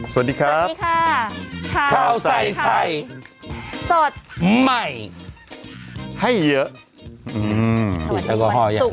สวัสดีครับสวัสดีค่ะข้าวใส่ไข่สดใหม่ให้เยอะอืมแอลกอฮอล์ยัง